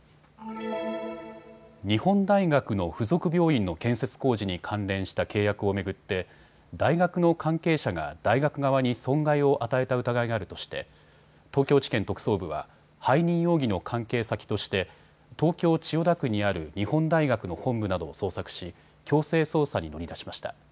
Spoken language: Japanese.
日本大学の付属病院の建設工事に関連した契約を巡って大学の関係者が大学側に損害を与えた疑いがあるとして東京地検特捜部は背任容疑の関係先として東京千代田区にある日本大学の本部などを捜索し強制捜査に乗り出しました。